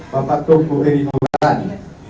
bapak tunggu erin mugalani